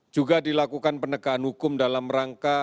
juga dilakukan penegakan hukum dalam rangka